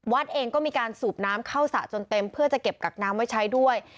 เองก็มีการสูบน้ำเข้าสระจนเต็มเพื่อจะเก็บกักน้ำไว้ใช้ด้วย